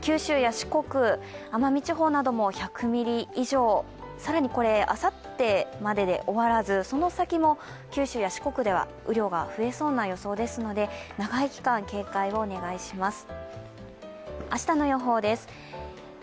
九州や四国、奄美地方なども１００ミリ以上、更にあさってまでで終わらず、その先も九州や四国では雨量が増えそうな予想ですので長い期間、警戒をお願いします。